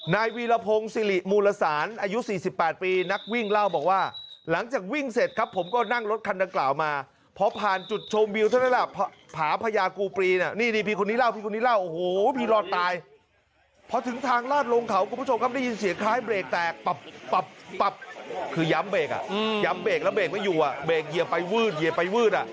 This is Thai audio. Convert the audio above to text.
นายวีรพงศ์สิริมูรสารอายุ๔๘ปี